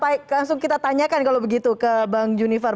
baik langsung kita tanyakan kalau begitu ke bang junifer